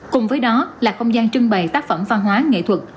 cùng với đó là không gian trưng bày tác phẩm văn hóa nghệ thuật